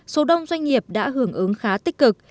số đông doanh nghiệp đã hưởng ứng khá tích cực